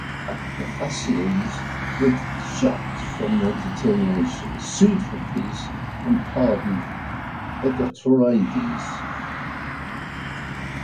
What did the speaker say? The Thasians were shocked from their determination, sued for peace, and pardoned Hegetorides.